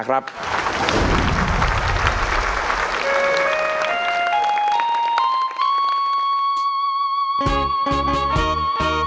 กายจ้าได้ยินไม่ว่าเสียงใคร